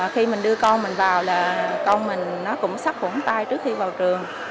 khi mình đưa con mình vào là con mình nó cũng sắp khủng tay trước khi vào trường